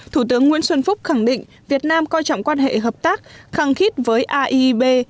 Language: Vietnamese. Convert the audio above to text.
thủ tướng nguyễn xuân phúc khẳng định việt nam coi trọng quan hệ hợp tác khăng khít với aib